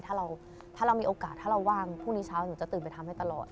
ถ้าเรามีโอกาสถ้าเราว่างพรุ่งนี้เช้าหนูจะตื่นไปทำให้ตลอด